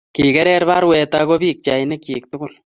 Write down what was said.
kigereer baruet ako pikchainikchi tugul